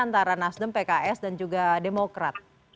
antara nasdem pks dan juga demokrat